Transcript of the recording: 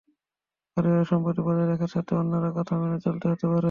পারিবারিক সম্প্রতি বজায় রাখার স্বার্থে অন্যের কথা মেনে চলতে হতে পারে।